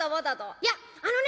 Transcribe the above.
「いやあのね